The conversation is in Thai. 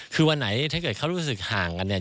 คือวันไหนถ้าเกิดเขารู้สึกห่างกันเนี่ย